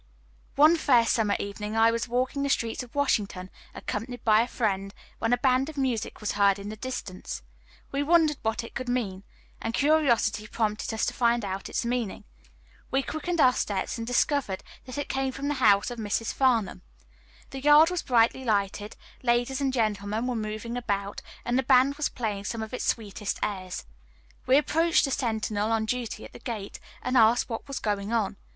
One fair summer evening I was walking the streets of Washington, accompanied by a friend, when a band of music was heard in the distance. We wondered what it could mean, and curiosity prompted us to find out its meaning. We quickened our steps, and discovered that it came from the house of Mrs. Farnham. The yard was brilliantly lighted, ladies and gentlemen were moving about, and the band was playing some of its sweetest airs. We approached the sentinel on duty at the gate, and asked what was going on.